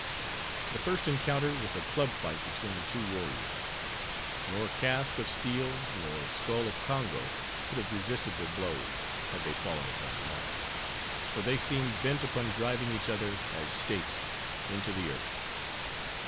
The first encounter was a club fight between two warriors. Nor casque of steel, nor skull of Congo could have resisted their blows, had they fallen upon the mark; for they seemed bent upon driving each other, as stakes, into the earth.